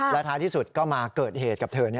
และท้ายที่สุดก็มาเกิดเหตุกับเธอนี้นะครับ